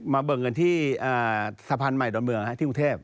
มาเบิกเงินที่เอ่อสะพันธุ์ใหม่ดอนเมืองฮะที่กรุงเทพฯ